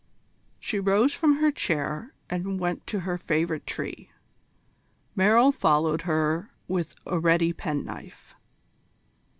She rose from her chair and went to her favourite tree; Merrill followed her with a ready penknife.